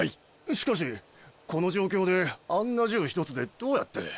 しかしこの状況であんな銃１つでどうやって。